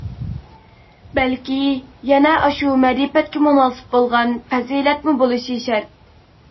بەلكى يەنە ئاشۇ مەرىپەتكە مۇناسىپ بولغان پەزىلەتمۇ بولۇشى شەرت.